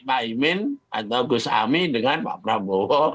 pak imin atau gus ami dengan pak prabowo